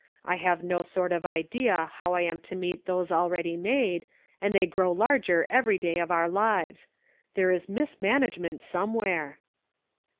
I have no sort of idea how I am to meet those already made, and they grow larger every day of our lives. There is mismanagement some where."